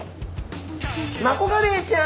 マコガレイちゃん。